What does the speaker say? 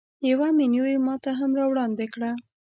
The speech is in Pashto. یوه مینو یې ماته هم راوړاندې کړه.